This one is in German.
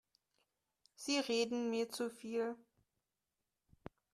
Sie reden mir zu viel.